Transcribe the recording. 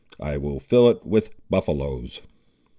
I will fill it with buffaloes."